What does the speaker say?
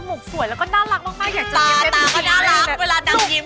หลักแม่มากเลย